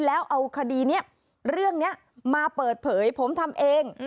แล้วเอาคดีนี้เรื่องนี้มาเปิดเผยผมทำเอง